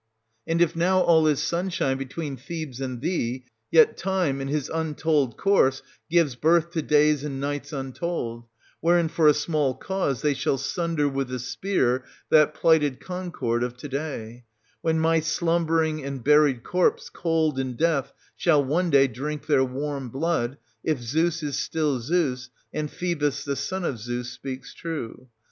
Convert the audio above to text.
And if now all is sunshine between Thebes and thee, yet time, in his untold course, gives birth to days and nights untold, wherein for a small cause they shall 620 sunder with the spear that plighted concord of to day ; when my slumbering and buried corpse, cold in death, shall one day drink their warm blood, if Zeus is still Zeus, and Phoebus, the son of Zeus, speaks true.